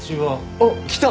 あっ来た！